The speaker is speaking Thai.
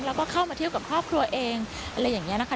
แล้วก็เข้ามาเที่ยวกับครอบครัวเองอะไรอย่างนี้นะคะ